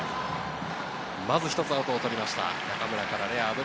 まず一つアウトを取りました。